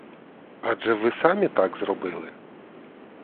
Адже ви самі так зробили?